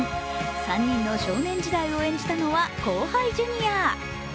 ３人の少年時代を演じたのは後輩ジュニア。